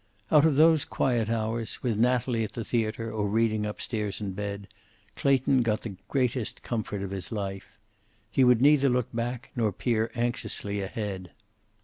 Out of those quiet hours, with Natalie at the theater or reading up stairs in bed, Clayton got the greatest comfort of his life. He would neither look back nor peer anxiously ahead.